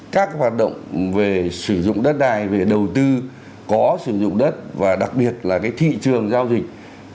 các hoạt động về sử dụng đất đai về đầu tư có sử dụng đất và đặc biệt là thị trường giao dịch